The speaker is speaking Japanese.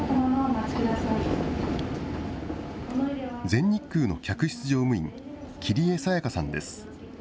全日空の客室乗務員、切江沙也香さんです。